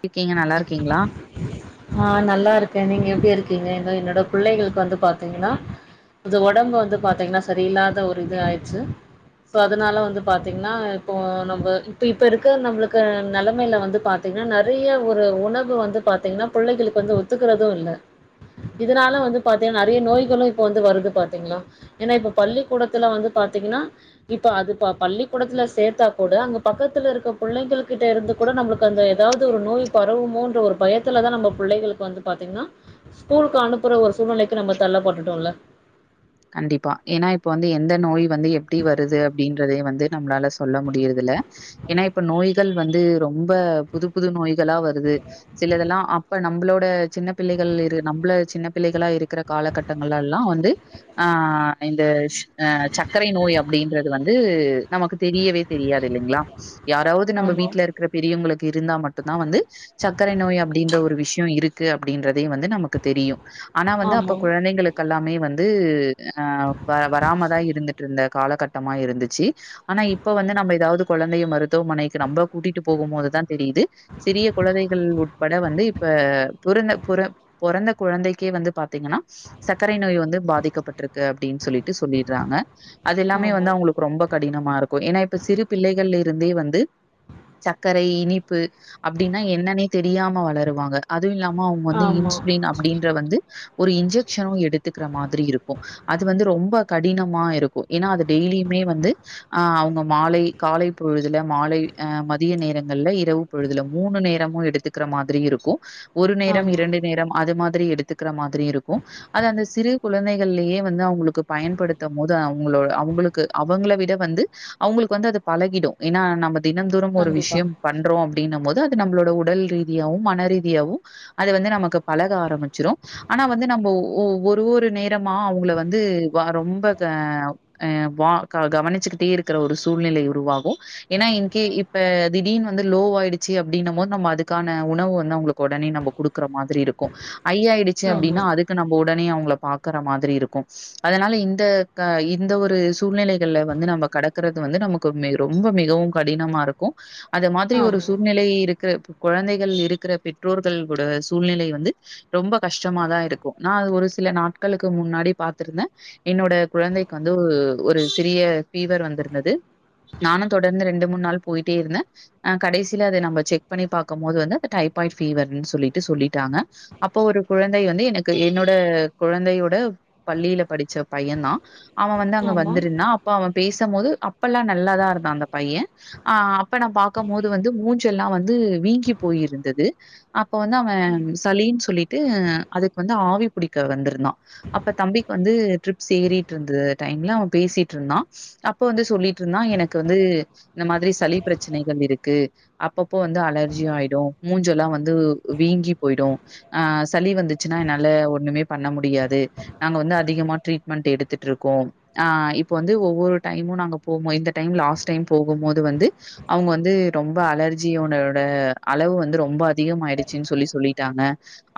இருக்கீங்க நல்லா இருக்கீங்களா நா நல்லா இருக்கே நீங்க எப்டி இருக்கீங்க இதோ என்னோட புள்ளைகளுக்கு வந்து பாத்தீங்கன்னா [unintelligible] ஒடம்பு வந்து பாத்தீங்கன்னா சரியில்லாத ஒரு இது ஆய்ச்சு சோ அதனால வந்து பாத்தீங்கன்னா இப்போ நம்ப இப்ப இப்ப இருக்க நம்பளுக்கு நெலமையில வந்து பாத்தீங்கன்னா நெ றைய ஒரு உணவு வந்து பாத்தீங்கன்னா புள்ளைகளுக்கு வந்து ஒத்துக்கிறது இல்ல இதனால வந்து பாத்தீனா நெறைய நோய்களு இப்ப வந்து வருது பாத்தீங்களா ஏன்னா இப்ப பள்ளிக்கூடத்துல வந்து பாத்தீங்கன்னா இப்ப அது ப பள்ளிக்கூடத்துல சேத்தா கூட அங்க பக்கத்துல இருக்க புள்ளைங்களுகிட்ட இருந்து கூட நம்பளுக்கு அந்த ஏதாவு து ஒரு நோய் பரவுமோன்ற ஒரு பயத்துலதா நம்ம புள்ளைகளுக்கு வந்து பாத்தீங்ன்னா ஸ்கூலுக்கு அனுப்புற ஒரு சூழ்நெலைக்கு நம்ம தள்ளப்பட்டுட்டோல்ல கண்டிப்பா ஏன்னா இப்ப வந்து எந்த நோய் வந்து எப்டி வருது அப்டின்றதே வந்து நம்ளால சொல்ல முடியறதுல்ல ஏன்னா இப்ப நோய்கள் வந்து ரொம்ப புது புது நோய்களா வருது சிலதெல்லா அப்ப நம்பளோட சின்ன பிள்ளைகள் இரு நம்பள சின்ன பிள்ளைகளா இருக்கிற காலகட்டங்கலேல்லா வந்து ஆ இந்த ஸ் அ சக்கரை நோய் அப்டின்றது வந்து நமக்கு தெரியவே தெரியாது இல்லிங்களா யாராவுது நம்ப ஆமா வீட்ல இருக்குற பெரியவங்களுக் கு இருந்தா மட்டுதா வந்து சக்கரை நோய் அப்டீன்ற ஒரு விஷ்ய இருக்கு அப்டின்றதே வந்து நமக் கு தெரியு ஆனா வந்து ஆமா அப்ப குழந்தைங்களுக்கெல்லாமே வந்து ஆ வ வராமதா இருந்துட்டு இருந்த காலகட்டமா இருந்துச்சி ஆனா இப்ப வந்து நம்ம ஏதாவுது கொழந்தைய மருத் துவமனைக்கு நம்பள கூட்டிட்டு போகும்மோதுதா தெரியுது சிறிய குழந்தைகள் உட்பட வந்து இப்ப புறந்த புற பொறந்த குழந்தைக்கே வந்து பாத்தீங்கன்னா சக்கரை நோய் வந்து பாதிக்கப்பட் டுருக்கு அப்டின்னு சொல்லிட்டு சொல்லிடுறாங்க அது எல்லாமே ஆமா வந்து அவுங்களுக்கு ரொம்ப க டினமா இருக்கு ஏன்னா இப்ப சிறு பிள்ளைகள்ல இருந்தே வந்து சக்கரை இனிப்பு அப்டின்னா என்னன்னே தெரியாம வளருவாங்க அத் துவு இல்லாம அவுங்க வந்து ஆமா இன்சுலின் அப்டின்ற வந்து ஒரு இன்ஜெக்ஷனு எடுத்துக்ற மாதிரி இரு கு அது வந்து ரொம்ப கடினமா இருக்கு ஏனா அது டெய்லிமே வந்து அ அவுங்க மாலை காலை பொழுதுல மாலை அ மதிய நேரங்கள்ல்ல இரவு பொழுதுல மூணு நேரமு எடுத்துக்கற மாதிரி இருக்கு ஒரு நேரம் ஆமா இரண்டு நேரம் அது மா திரி எடுத்துக்கற மாதிரி இருக்கு அது அந்த சிறு குழந்தை கள்லியே வந்து அவுங்குளுக்கு பயன்படுத்தம் மோது அவுங்ளோ அவுங்ளுக்கு அவுங்ள விட வந்து அவுங்களுக்கு வந்து அது பழகிடு ஏனா நம்ப தினம் தோறும் ஒரு கண்டிப்பா விஷ்யம் பண்றோ ப்டின்னம் மோது அது நம்ளோட உடல் ரீதியாவு மனரீதியாவு அது வந்து நமக்கு பழக ஆரமிச்சிரு ஆனா வந்து நம்போ ஒ ஒரு ஒரு நே ட்டம்மா அவுங்கள வந்து வ ரொம்ப க அ வா க கவனிச்சுக்கிட்டே இருக்கற ஒரு சூழ்நிலை உருவாகு ஏனா இன்கே இப்ப திடீன் வந்து லோ ஆயிடிச்சி அப்டின்னம்மோ நம்ம அதுக்கான உணவு வ அவுங்களுக் ஒடனே நம்போ குடுக்கற மாதிரி இருக்கு ஐய் ஆயிடுச்சு ஆமா அப்டினா அதுக்கு நம்போ உடனே அவு [unintelligible] க்கற மாதிரி இருக்கு அதனால இந்த க இந்த ஒரு சூழ்நிலைகள்ல வந்து நம்ப கடக்கறது வந்து நமக்கு மெ ரொம்ப மிகவும் கடினமாருக்கு அது மாதிரி ஒரு ஆமா சூழ்நிலை இரு க்கு ப்ப கொழந்தைகள் இருக்கற பெற்றோர்கள் கூட சூழ்நிலை வந்து ரொம்ப கஷ்டமா தா இருக்கு நா அத ஒரு சில நாட் ட்க்களுக்கு முன்னாடி பாத்திருந்தே என்னோட குழந்தைக்கு வந்து ஒ ஒரு சிறிய ஃபீவர் வந்திருந்தது நானு தொடர்ந்து ரெண்டு மூண் நாள் போயிட்டேருந்தே ஆ கடைசில அத நம்ப செக் பண்ணி பாக்கம் மோது வந்து அத டைப்பாய்ட் ஃபீவர்ன் சொல்லிட்டு சொல்லிட்டாங்க அப்போ ஒரு குழந்தை வந்து எனக்கு என்னோட குழந்தையோட பள்ளில படிச்ச பையந்தா அவ வந்து அங்க ஆமா வந்திருந்தா அப்ப அவ பேசம் மோது அப்பெல்லா நல்லாதா இருந்தா அந்த பைய அ அப்ப நா பாக்க மோது வந்து மூஞ்செல்லா வந்து வீங்கி போயிருந்தது அப்ப வந்து அவ சளின் சொல்லிட்டு அதுக்கு வந்து ஆவி புடிக் க வந்திருந்தா அப்ப தம்பிக் வந்து ட்ரிப்ஸ் ஏறிட்ருந்த டைம்ல அவ பேசிட்ருந்தா அப்ப வந்து சொல்லிட்ருந்தா எனக்கு வந்து இந்த மாதிரி சளி பிரச்சனைகள் இருக்கு அப்பப்போ வந்து அலர்ஜி ஆயிடு மூஞ்செல்லா வந்து வ்வ் வீங்கி போயிடு அ சளி வந்துச்சுன்னா என்னால ஒண்ணுமே பண்ண முடியாது நாங்க வந்து அதிகமா ட்ரீட்மெண்ட் எடுத்துட்ருக்கோ அ இப்ப வந்து ஒவ்வொரு டைமு நாங்க போம் மோ இந்த டைம் லாஸ் டைம் போகும்மோது வந்து அவுங்க வந்து ரொம்ப அலர்ஜியோடோட அளவு வந்து ரொம்ப அதிகமாயிடுச்சுன் சொல்லி சொல்லிட்டாங்க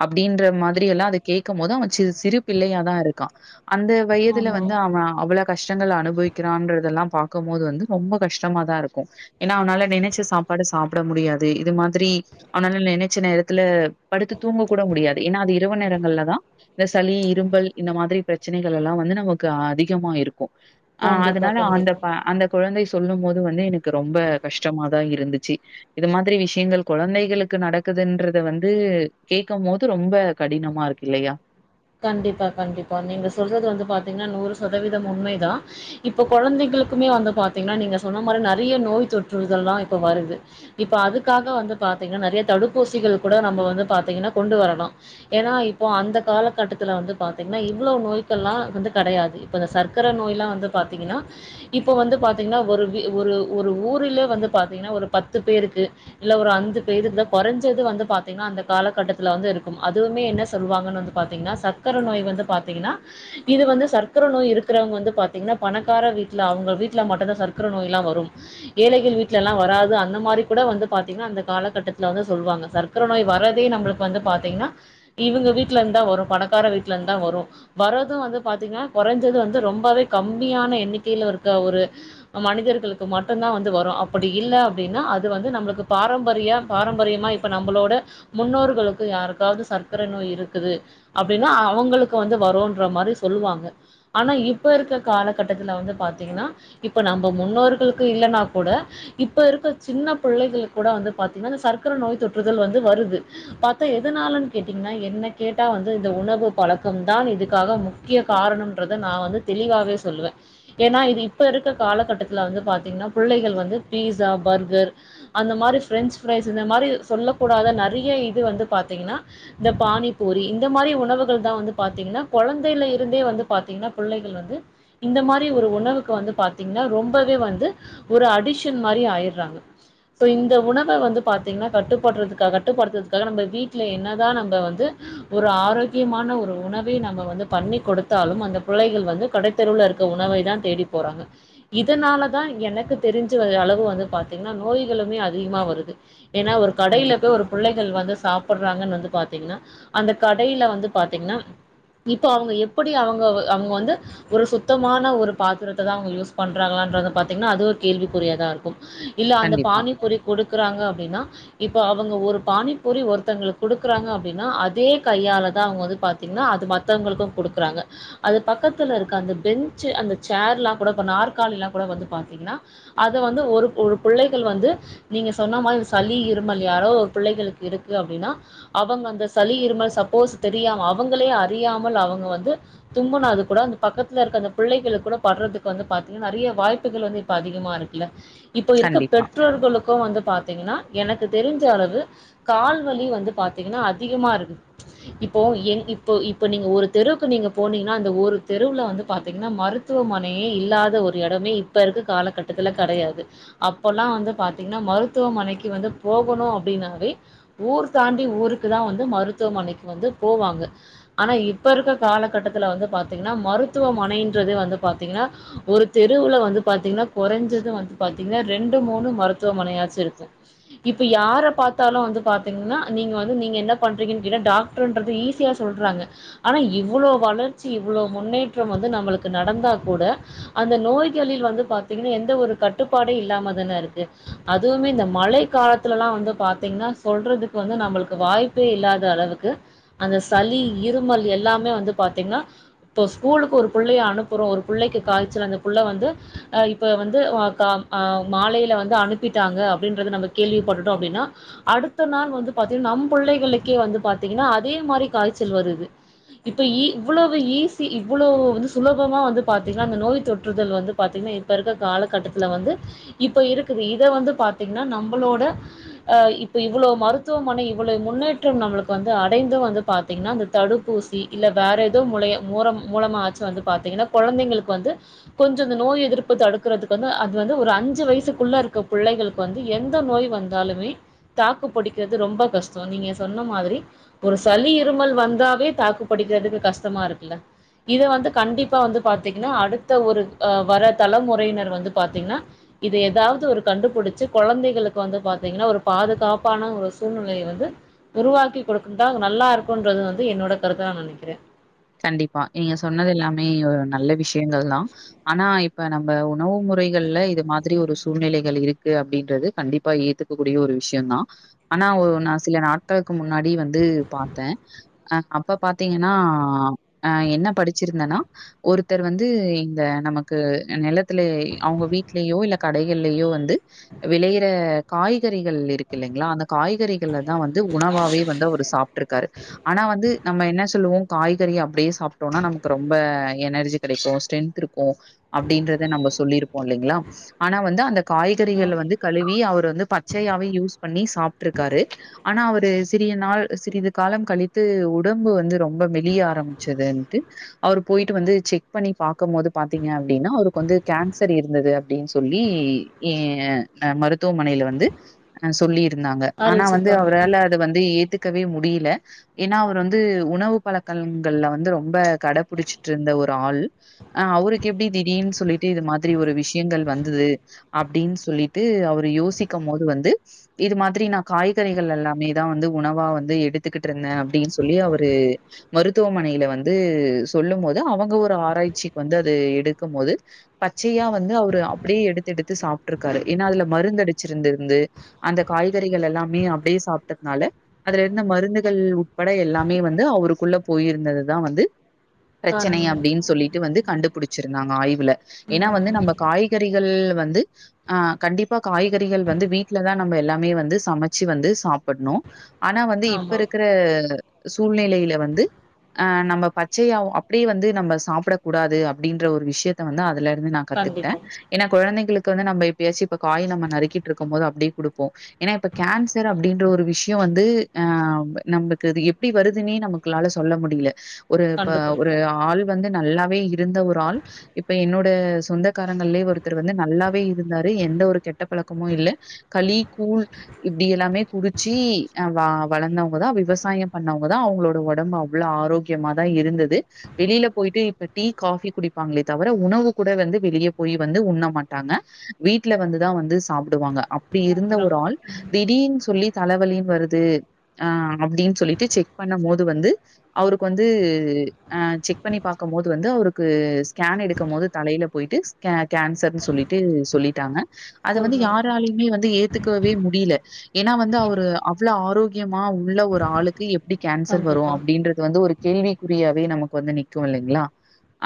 அப்டின்ற மாதிரி எல்லா அத கேக்கம்மோது அவுங்க ச்சு சிறு பிள்ளையாதா இருக்கா அந்த வயதுல ஆமா வந்து அவ அவ்ள கஷ்டங்கள் அனுபவிக்கிறான்றதெல்லா பாக்கம் மோது வந்து ரொம்ப கஷ்டமாதா இருக்கு ஏன்னா அவனால நினைச்ச சாப்பாட சாப்ட முடியாது இது மாதிரி அவனால நினைச்ச நேரத்துல படுத்து தூங்க கூட முடியாது ஏனா அது இரவு நேரங்கள்ல தா ந்த சளி இரும்பல் இந்த மாதிரி பிரச்சினைகள் எல்லா வந்து நமக்கு அதிகமாயிரு கு அ கண்டிப்பா அதனால அந்த கண்டிப்பா ப அந்த குழந்தை ஸ் சொல்லும் மோது வந்து எனுக்கு ரொம்ப கஷ்டமாதா இருந்துச்சி இது மாதிரி விஷ்யங்கள் குழந்தைகளுக்கு நடக்குதுன்றத வந்து கேக்க மோது ரொம்ப கடினமாருக்கு இல்லையா கண்டிப்பா கண்டிப்பா நீங்க சொல்றது வந்து பாத்தீங்னா நூறு சதவீதம் உண்மைதா இப்ப கொழந்தைங்களுக்குமே வந்து பாத்தீங்னா நீங்க சொன்ன மாரி நறைய நோய் தொற்றுதல்லா இப்ப வருது இப்ப அதுக்காக வந்து பாத்தீங்னா நெறைய தடுப்பூசிகள் கூட நம்ப வந்து பாத்தீங்கனா கொண்டு வரலா ஏனா இப்போ அந்த கால கட்டத்துல வந்து பாத்தீங்ன்னா இவ்ளோ நோய்க்கள்லா வந்து கெடையாது இப்ப இந்த சர்க்கர நோய்ல்லா வந்து பாத்தீங்கனா இப்ப வந்து பாத்தீங்ன்னா ஒரு வி ஒரு ஒரு ஊர்லே வந்து பாத்தீங்கனா ஒரு பத்து பேருக்கு இல்ல ஒரு அந்து பேதுக்குதா கொறஞ்சது வந்து பாத்தீங்னா அந்த காலகட்டத்துல வந்து இருக்கும் அதுவுமே என்ன சொல்வாங்கனு வந்து பாத்தீங்ன்னா சர்க்கர நோய் வந்து பாத்தீங்கனா இது வந்து சர்க்கர நோய் இருக்கறவங்க வந்து பாத்தீங்ன்னா பணக்கார வீட்ல அவுங்க வீட்ல மட்டுந்தா சர்க்கர நோய்ல்லா வரும் ஏழைகள் வீட்லெல்லா வராது அந்த மாரி கூட வந்து பாத்தீங்னா அந்த கால கட்டத்ல வந்து சொல்வாங்க சர்க்கர நோய் வரதே நம்புளுக்கு வந்து பாத்தீங்ன்னா இவுங்க வீ ட்லந்தா வரு பணக்கார வீட்லந்தா வரு வரது வந்து பாத்தீங்னா கொறஞ்சது வந்து ரொம்பவே கம்மியான எண்ணிக்கைல இருக்க ஒரு மனிதர்களுக்கு மட்டுந்தா வந்து வரு அப்படி இல்ல அப்டின்னா அது வந்து நம்புளுக்கு பாரம்பரிய பாரம்பரியமா இப்ப நம்பளோட முன்னோர்களுக்கு யாருக்காவ்து சர்க்கரை நோய் இரு க்குது அப்டின்னா அவங்களுக்கு வந்து வருன்ற மாரி சொல்லுவாங்க ஆனா இப்ப இருக்க காலகட்டத்துல வந்து பாத்தீங்கனா இப்ப நம்ப முன்னோர்கள்க்கு இல்லன்னா கூட இப்ப இருக்க சின்ன பிள்ளைகள் கூட வந்து பாத்தீனா ந்த சர்க்கர நோய் தொற்றுதல் வந்து வருது பாத்தா எதனாலன் கேட்டீங்ன்னா என்ன கேட்டா வந்து இந்த உணவு பழக்கம் தான் இதுக்காக முக்கிய காரணம்ன்றத நா வந்து தெளிவாவே சொல்லுவே ஏனா இது இப்ப இருக்க காலகட்டத்துல வந்து பாத்தீங்ன்னா புள்ளைகள் வந்து பீஸா பர்கர் அந்த மாரி ஃபிரஞ்ஃபரைஸ் இந்த மாரி சொல்லக்கூடாத நறைய து வந்து பாத்தீங்கன்னா இந்த பானி பூரி இந்த மாரி உணவுகள் தா வந்து பாத்தீங்கன்னா கொழந்தைல இருந்தே வந்து பாத்தீங்ன்னா பிள்ளைகள் வந்து இந்த மாரி ஒரு உணவுக்கு வந்து பாத்தீங்ன்னா ரொம்பவே வந்து ஒரு அடிஷன் மாரி ஆயிர்றாங்க சோ இந்த உணவ வந்து பாத்தீங்ன்னா கட்டுப்பட்றதுக்கா கட்டுப்படுத்ததுக்காக நம்ப வீட்ல என்னதா நம்ப வந்து ஒரு ஆரோக்கியமான ஒரு உணவே நம்ப வந்து பண்ணி கொடுத்தாலும் அந்த புள்ளைகள் வந்து கடைத்தெருவுல இருக்க உணவை தான் தேடி போறாங்க இதனாலதா எனக்கு தெரிஞ்ச வ அளவு வந்து பாத்தீங்ன்னா நோய்களுமே அதிகமா வருது ஏனா ஒரு கடையில கண்டிப்பா, போய் ஒரு புள்ளைகள் வந்து சா பட்றாங்கன் வந்து பாத்தீங்ன்னா அந்த கடையில வந்து பாத்தீங்ன்னா இப்போ அவுங்க எப்பிடி அவுங்க வ அவுங்க வந்து ஒரு சுத்தமான ஒரு பாத்திரத்த தா அவுங்க யூஸ் பண்றாங்களான்றத பாத்தீங்ன்னா அது ஒரு கேள்வி குறியாதா இரு க்கும் இல்ல அந்த கண்டிப்பா, பானி பூரி கொடு இருக்காங்க அப்டின்னா இப்ப அவங்க ஒரு பானிபுரி ஒருத்தங்களுக்கு குடுக்குறாங்க அப்டின்னா அது அதே கையால தா அவங்க வந்து பாத்தீங்கன்னா அது மத்தவங்களுக்கு குடுக்குறாங்க அது பக்கத்துல இருக்க அந்த பெஞ்சு அந்த சேர்ல்லா கூட நாற்காலியெல்லா கூட வந்து பாத்தீங்கன்னா அத வந்து ஒரு ஒரு பிள்ளைகள் வந்து நீங்க சொன்ன மாதிரி சளி இருமல் யாரோ ஒரு பிள்ளைகளுக்கு இருக்கு அப்படின்னா அவங்க அந்த சளி இருமல் சப்போஸ் தெரியாம அவங்களே அறியாமல் அவங்க வந்து தும்புனாது கூட அந்த பக்கத்துல இருக்க அந்த புள்ளைகளுக்கு கூட படுறதுக்கு வந்து பாத்தீங்கன்னா நெறைய வாய்ப்புகள் வந்து இப்ப அதிகமா இருக்குல்ல இப்போ இருக்க கண்டிப்பா, பெற்றோர்களுக்கும் வந்து பாார்த்தீங்கன்னா எனக்கு தெரிஞ்ச அளவு கால்வலி வந்து பார்த்தீங்கன்னா அது அதிகமா இருக்கு இப்போ எங் இப்போ இப்ப நீங்க ஒரு தெருவுக்கு நீங்க போனீங்கன்னா அந்த ஒரு தெருவுல வந்து பாார்த்தீங்கன்னா மருத்துவமனையே இல்லாத ஒரு இடமே இப்ப இருக்க காலகட்டத்துல கடையாது அப்பல்லா வந்து பாார்த்தீங்கன்னா மருத்துவமனைக்கு வந்து போகணும் அப்படின்னாவே ஊர் தாண்டி ஊருக்கு தான் வந்து மருத்துவமனைக்கு வந்து போவாங்க ஆனா இப்ப இருக்க காலகட்டத்தில வந்து பார்த்திங்கனா மருத்துவமனைன்றது வந்து பார்த்திங்கனா ஒரு தெருல வந்து பார்த்திங்ஙனா குறைஞ்சது வந்து பாத்தீங்கன்னா ரெண்டு மூணு மருத்துவமனையாச்சு இருக்கு இப்ப யார பார்த்தாலும் வந்து பாத்தீங்கன்னா நீங்க வந்து நீங்க என்ன பண்றீங்கனு கேட்டா டாக்டர்ன்றது ஈஸியா சொல்றாங்க ஆனா இவ்வளவு வளர்ச்சி இவ்ளவு முன்னேற்றம் வந்து நம்மளுக்கு நடந்தா கூட அந்த நோய்களில் வந்து பாத்தீங்கன்னா எந்த ஒரு கட்டுப்பாடே இல்லாம தானே இருக்கு அதுவுமே இந்த மழை காலத்துல எல்லாம் வந்து பாத்தீங்கன்னா சொல்றதுக்கு வந்து நம்மளுக்கு வாய்ப்பே இல்லாத அளவுக்கு அந்த சளி இருமல் எல்லாமே வந்து பாத்தீங்கன்னா இப்ப ஸ்கூலுக்கு ஒரு புள்ளைய அனுப்புறோம் ஒரு புள்ளைக்கு காய்ச்சல் அந்த புள்ளை வந்து இப்ப வந்து் ஆ மாலையில வந்து அனுப்பிட்டாங்க அப்படின்றது நம்ம கேள்விப்பட்டுட்டோம் அப்டின்னா அடுத்த நாள் வந்து நம் புள்ளைகளுக்கே வந்து பாத்தீங்கன்னா அதே மாரி காய்ச்சல் வருது இப்ப இ இவ்வளவு ஈசி இவ்வளவு வந்து சுலபமா வந்து பாத்தீங்கன்னா அ நோய் தொற்றுதல் வந்து பாத்தீங்கன்னா இப்ப இருக்க காலகட்டத்துல வந்து இப்ப இருக்குது இத வந்து பாத்தீங்கன்னா நம்மளோட அ இப்ப இவ்வளவு மருத்து மருத்துவமனை இவ்வளவு முன்னேற்றம் நம்மளுக்கு வந்து அடைந்துவந்து பார்த்தீங்கன்னா அந்த தடுப்பூசி இல்லை வேற ஏதோ முலைய மூம் மூலமாச்சும் வந்து பாார்த்தீங்கன்னா குழந்தைங்களுக்கு வந்து கொஞ்சம் இந்த நோய் எதிர்ப்பு தடுக்கறத்துக்கு வந்து அது வந்து ஒரு அஞ்சு வயசுக்குள்ள இருக்க புள்ளைகளுக்கு வந்து எந்த நோய் வந்தாலுமே தாக்குப்புடி ரொம்ப கஷ்டம் நீங்க சொன்ன மாரி ஒரு சளி இருமல் வந்தாவே தாக்கு படிக்கிறதுக்கு கஷ்டமா இருக்குல்ல இத வந்து கண்டிப்பா வந்து பாத்தீங்கன்னா அடுத்த ஒரு வர தலைமுறையினர் வந்து பாத்தீங்கன்னா இதை ஏதாவது ஒரு கண்டுபிடிச்சு குழந்தைகளுக்கு வந்து பாத்தீங்கன்னா ஒரு பாதுகாப்பான ஒரு சூழ்நிலையை வந்து உருவாக்கி கொடுக்கும் தா நல்லா இருக்கும்ன்றது வந்து என்னோட கருத்தா நான் நினைக்கிறே கண்டிப்பா நீங்க சொன்னது எல்லாமே ஒரு நல்ல விஸ் ங்கள் தான் ஆனா இ இப்ப நம்ம உணவு முறைகள்ல இது மாதிரி ஒரு சூழ்நிலைகள் இருக்கு அப்படின்றது கண்டிப்பா ஏத்துக்கக்கூடிய ஒரு விஷயம் தான் ஆனா நான் சில நாட்களுக்கு முன்னாடி வந்து பாத்தே அ அப்ப பாத்தீங்கன்னா ஆ என்ன படிச்சிருந்தேன்னா ஒருத்தர் வந்து இந்த நமக்கு நிலத்துல அவங்க வீடலேயோ இல்ல கடைகள்லயோ வந்து விளையற காய்கறிகள் இருக்கு இல்லைங்களா அந்த காய்கறி ல்ல தான் வந்து உணவாவே வந்து அவரு சாப்ட்டுருக்காரு ஆனா வந்து நம்ம என்ன சொல்லுவோம் காய் காய்கறி அப்படியே சாப்ட்டோம்னா நமக்கு ரொம்ப எனர்ஜி கிடைக்கும் ஸ்ட்ரென்த் இருக்கும் அப்படின்றத நம்ம சொல்லிருப்போம் இல்லைங்களா ஆனா வந்து அந்த ஆமா. காய்கறிகளை வந்து கழுவி அவர் வந்து பச்சையாவே யூஸ் பண்ணி சாப்ட்டுருக்காரு ஆனா அவரு சிறிய நாள் சிறிது காலம் கழித்து உடம்பு வந்து ரொம்ப மெளியா ஆரமிச்சதுஇண்டு அவர் போய்ட்டு வந்து செக் பண்ணி பாக்கும் போது பாத்திங்ங அப்டின்னா அவருக்கு வந்து கேன்ஸர் இருந்தது அப்டின்னு சொல்லி ஏ மருத்துவமனைல வந்து சொல்லி இருந்தாங்க ஆனா வந்து அறிவிச்சிருக்காங்க. அவரால அதை வந்து ஏத்துக் கவே முடியல ஏன்னா அவர் வந்து உணவு பழக்க ங்கள் வந்து ரொம்ப கடபிடிச்சிட்டு இருந்த ஒரு ஆள் அ அவருக்கு எப்படி திடீர்னு சொல்லிட்டு இது மாதிரி ஒரு விஷயங்கள் வந்தது அப்படின்னு சொல்லிட்டு அவரு யோசிக்கும் போது வந்து இது மாதிரி நான் காய்கறிகள் எல்லாமேதான் வந்து உணவா வந்து எடுத்துக்கிட்டு இருந்தேன் அப்படின்னு சொல்லி அவரு மருத் மருத்துவமனைல வந்து சொல்லும் போது அவங்க ஒரு ஆராய்ச்சிக்கு வந்து அது எடுக்கும் போது பச்சையா வந்து அவரு அப்படியே எடுத்து எடுத்து சாப்ட்டு இருக்காரு ஏன்னா அதுல மருந்து அடிச்சிருந்திருந்து அந்த காய்கறிகள் எல்லாமே அப்படியே சாப்ட்டதுனால அதுல இருந்து மருந்துகள் உட்பட எல்லாமே வந்து அவருக்குள்ள போயிருந்ததுதான் வந்து பிரச்சனை காரணம் அப்படின்னு சொல்லிட்டு வந்து கண்டுபுடிச் வச்சிருந்தாங்க ஆய்வில்ல ஏன்னா வந்து நம்ம ம். காய்கறிகள் வந்து ஆ கண்டிப்பா காய்கறிகள் வந்து வீட்லதான் நம்ம எல்லாமே வந்து சமச்சு வந்து சாப்டணும் ஆனா வந்து இப்ப ஆமா. இருக்கிற சூழ்நிலையில வந்து ஆ நம்ம பச்சையாவு அப்படியே வந்து நம்ம சாப்பிடக் கூடாது அப்படின்ற ஒரு விஷயத்த வந்து அதுல நா கத்துக்கிட்டே கண்டிப்பா. ஏனா கொழந்தைகளுக் கு வந்து நம்ம எப்பயாச்சு இப்ப காய் நம்ம நருக்கிட்ருக்கு போது அப்டியே குடுப்போ ஏனா இப்ப கேன்ஸர் அப்டின்ற ஒரு விஷ்யோ வந்து அ நம்ளுக் அது எப்டி வருதுன்னே நமக்குளால சொல்ல முடில ஒரு இப்ப ஒரு கண்டுபிடிக்கல. ஆள் வந்து நல்லாவே இருந்த ஒரு ஆள் இப்ப என்னோட சொந்தக்காரங்கள்லே ஒருத்தர் வந்து நல்லாவே இருந்தாரு எந்த ஒரு கெட்ட பழக்கமு இல்ல களி கூழ் இப்டி எல்லாமே குடிச்சு அ வ வளந்தவங்கதா விவசாயோ பண்ணவங்கதா அவங்களோட ஒடம்பு அவ்வளவு ஆரோக்கியமாதா இருந்தது வெளியில போயிட்டு இப்ப டீ காபி குடிப்பாங்களே தவிர உணவு கூட வந்து வெளியே போய் வந்து உண்ண மாட்டாங்க வீட்டுல வந்துதா வந்து சாப்பிடுவாங்க. அப்படி இருந்த அப்புறம் ஒரு ஆள் திடீன்னு சொல்லி தலவலியும் வருது ஆ அப்படின்னு சொல்லிட்டு செக் பண்ணம் போது வந்து அவருக்கு வந்து அ செக் பண்ணி பாக்கம் போது வந்து அவருக்கு ஸ்கேன் எடுக்கும் போது தலையில போயிட்டு கே -கேன்சர்ன்னு சொல்லிட்டு சொல்லிட்டாங்க. அத வந்து சொல்றோம். யாராலயுமே வந்து ஏத்துக்கவே முடியல ஏன்னா வந்து அவரு அவ்வள ஆரோக்கியமா உள்ள ஒரு ஆளுக்கு எப்படி கேன்சர் வரு கண்டிப்பா. அப்படின்ற ஒரு கேள்விக்குறியாவே நமக்கு வந்து நிக்கு இல்லைங்களா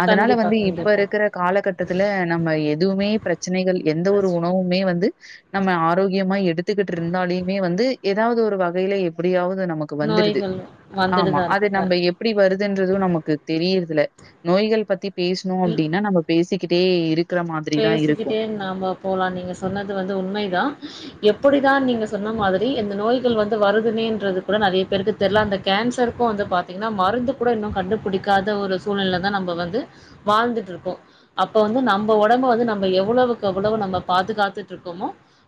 அதனால கண்டிப்பா, வந்து இப்ப கண்டிப்பா. இருக்கிற காலகட்டத்துல நம்ம எது எதுமே பிரச் பிரச்சனைகள் எந்த ஒரு பிரச் உணவுமே வந்து நம்ம ஆரோக்கியமா எடுத்துக்கிட்டு இருந்தாலியுமே வந்து ஏதாது ஒரு வகையில எப்படியாவது அது நமக்கு வந்துருது நோய்கள் வந்துட்டு ஆமா. தான் அது இருக்கு. க நம்ப எப்படி வருதுன்றது நமக்கு தெரியறதுல நோய்கள் பத்தி பேசணு இ அப்படின்னா நம்ம பேசி கிட்டே இருக் பேசிக்கிட்டே நாம போலாம் நீங்க சொன்னது வந்து உண்மைதா. எப்டிதா நீங்க சொன்ன மாதிரி இந்த நோய்கள் வந்து வருதுனேன்றது கூட நெறைய பேருக்கு தெரியல அந்த கேன்சருக்கு வந்து பாத்தீங்கன்னா மருந்து கூட இன்னு கண்டுபிடிக்காத ஒரு சூழ்நிலைல தா நம்ம வந்து வாழ்ந்துட்டு இருக்கோ அப்ப வந்து நம்ம நம்ம உடம்ப வந்து நம்ம எவ்வளவுக்குஅவ்வளவு நம்ம பாதுகாத்துட்டு இருக்கோமோ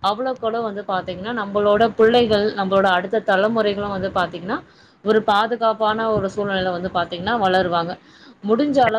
அவ்வளவுக்கவ்வளவுவந்து பாத்தீங்கன்னா நம்மளோட பிள்ளைகள் நம்மளோட அடுத்த தலைமுறைகளும் வந்து பாத்தீங்கன்னா ஒரு பாதுகாப்பான ஒரு சூழ்நிலை வந்து பாத்தீங்கன்னா வளருவாங்க முடிஞ்ச அளவுக்